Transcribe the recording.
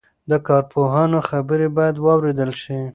د کارپوهانو خبرې باید واورېدل شي.